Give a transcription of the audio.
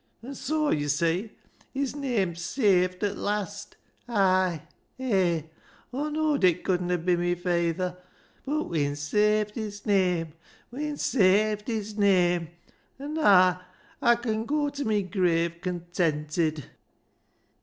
An' soa, yo' see, his name's saved at last. Hay, Aw know'd it couldna be mi fayther ; bud we'en saved his name ! We'en saved his name ! And naa Aw con goa ta me grave contented."